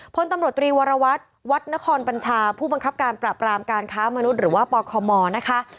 พลตำรวจตรีวรวัตรวัดนครบัญชาผู้บังคับการปราบรามการค้ามนุษย์หรือว่าปคมนะคะ